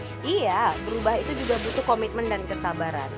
iya berubah itu juga butuh komitmen dan kesabaran